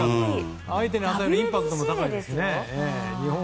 相手に与えるインパクトも高いですしね。